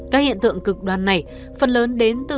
các hiện tượng cực đoan này phần lớn đến từ hiện tượng dịch bệnh